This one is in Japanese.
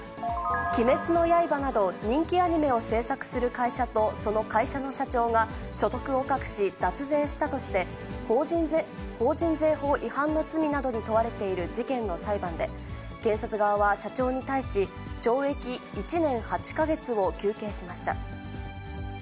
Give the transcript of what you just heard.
鬼滅の刃など、人気アニメを制作する会社とその会社の社長が、所得を隠し、脱税したとして、法人税法違反の罪などに問われている事件の裁判で、検察側は社長に対し、懲役１年８か月を求刑しました。